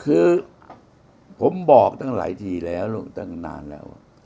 คือผมบอกตั้งหลายทีแล้วตั้งนานแล้ว